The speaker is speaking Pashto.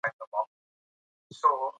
سفیر په ګاډۍ کې له ناستې څخه انکار وکړ.